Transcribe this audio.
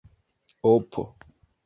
opo